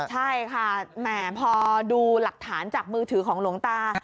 ใช่ค่ะแหมพอดูหลักฐานจากมือถือของหลวงตา